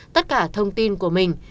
và thông tin của mình